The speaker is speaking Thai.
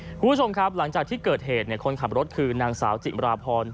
คุณผู้ชมครับหลังจากที่เกิดเหตุคนขับรถคือนางสาวจิมราพร